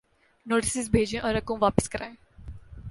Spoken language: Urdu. نوٹسز بھیجیں اور رقوم واپس کرائیں۔